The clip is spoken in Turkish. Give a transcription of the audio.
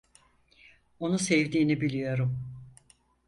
Onu sevdiğini biliyorum.